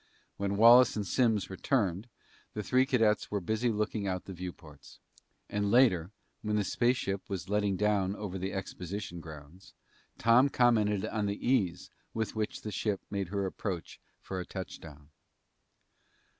When Wallace and Simms returned, the three cadets were busy looking out the viewports. And later, when the spaceship was letting down over the exposition grounds, Tom commented on the ease with which the ship made her approach for a touchdown.